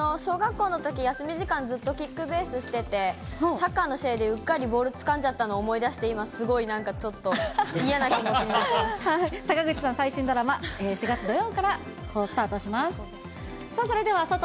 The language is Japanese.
私、小学校のとき、休み時間、キックベースでは、サッカーの試合でうっかりボールつかんじゃったのを思い出して、すごいなんかちょっと嫌な気持ちになっちゃい坂口さん、４月ドラマ、４月土曜からスタートします。